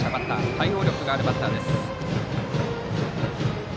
対応力があるバッターです。